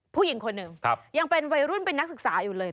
ผู้หญิงคนหนึ่งยังเป็นวัยรุ่นเป็นนักศึกษาอยู่เลย